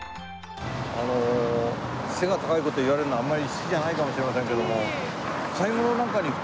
あの背が高い事言われるのあんまり好きじゃないかもしれませんけども。